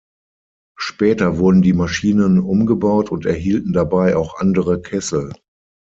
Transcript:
Später wurden die Maschinen umgebaut und erhielten dabei auch andere Kessel.